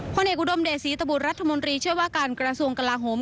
ผู้เด็กอุดมเด็ดสีตระบุรัฐมนตรีเชื่อว่าการกระทรวงกระลาฮม